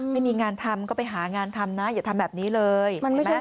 ไม่มีงานทำก็ไปหางานทำนะอย่าทำแบบนี้เลย